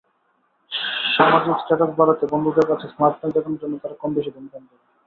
সামাজিক স্ট্যাটাস বাড়াতে, বন্ধুদের কাছে স্মার্টনেস দেখানোর জন্য তারা কমবেশি ধূমপান করে।